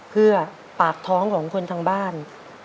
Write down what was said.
เพื่อปากท้องของคนทางบ้าน